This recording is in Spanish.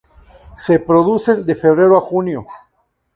Se reproducen de febrero a junio.